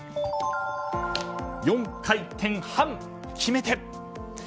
４回転半、決めて！